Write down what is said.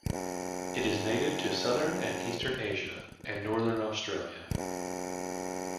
It is native to southern and eastern Asia and northern Australia.